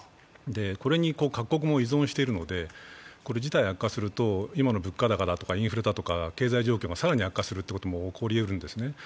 これに各国も依存しているので、事態が悪化すると、今の物価高とかインフレだとか経済状況も更に悪化することも起こりうるんですね。